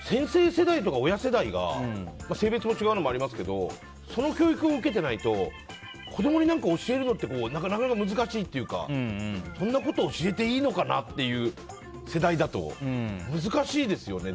世代とか親世代が性別も違うのもありますけどその教育を受けてないと子供に教えるのってなかなか難しいというかそんなこと教えていいのかなという世代だと難しいですよね。